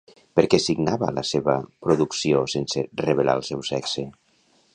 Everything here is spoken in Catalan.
Per què signava la seva producció sense revelar el seu sexe?